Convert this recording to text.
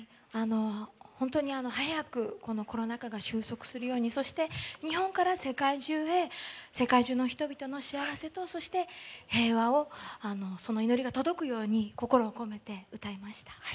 本当に早くコロナ禍が収束するようにそして日本から世界中へ世界中の人々の幸せとそして平和をその祈りが届くように心を込めて歌いました。